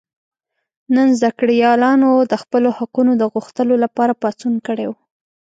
نن زده کړیالانو د خپلو حقونو د غوښتلو لپاره پاڅون کړی و.